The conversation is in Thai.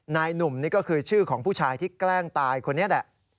นายหนุ่มนี่ก็คือชื่อของผู้ชายที่แกล้งตายคนนี้แหละ